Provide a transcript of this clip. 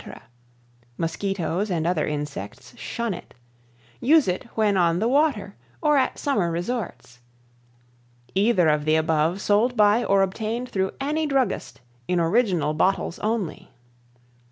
Mosquitoes and other insects shun it. Use it when on the water or at summer resorts. Either of the above sold by or obtained through any druggist in original bottles only.